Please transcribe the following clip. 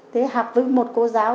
thế học với một cô giáo